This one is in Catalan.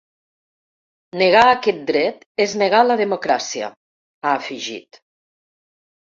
Negar aquest dret és negar la democràcia, ha afegit.